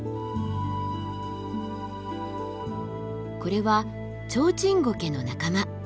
これはチョウチンゴケの仲間。